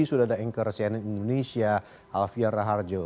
sudah ada anchor cnn indonesia alfian raharjo